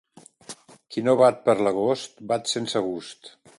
Qui no bat per l'agost, bat sense gust.